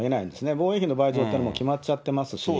防衛費の倍増というのは決まっちゃってますし。